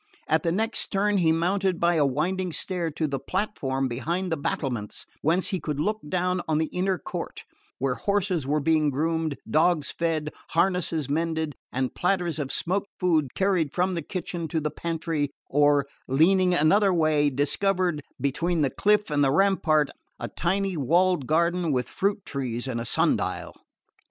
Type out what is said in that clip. At the next turn he mounted by a winding stair to the platform behind the battlements, whence he could look down on the inner court, where horses were being groomed, dogs fed, harnesses mended, and platters of smoking food carried from the kitchen to the pantry; or, leaning another way, discovered, between the cliff and the rampart a tiny walled garden with fruit trees and a sundial.